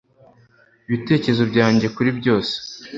ibitekerezo byanjye kuri byose